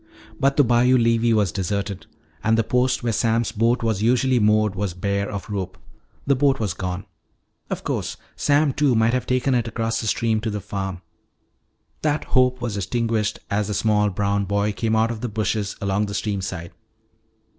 But the bayou levee was deserted. And the post where Sam's boat was usually moored was bare of rope; the boat was gone. Of course Sam Two might have taken it across the stream to the farm. That hope was extinguished as the small brown boy came out of the bushes along the stream side.